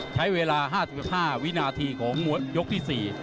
ใช้เวลา๕๕วินาทีของยกที่๔